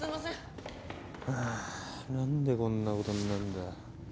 あ何でこんなことになるんだよ。